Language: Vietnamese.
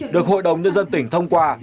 được hội đồng nhân dân tỉnh thông qua